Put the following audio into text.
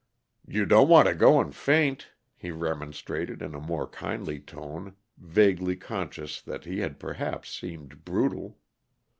"You don't want to go and faint," he remonstrated in a more kindly tone, vaguely conscious that he had perhaps seemed brutal.